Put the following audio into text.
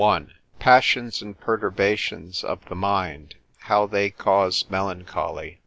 I.—Passions and Perturbations of the Mind, how they cause Melancholy.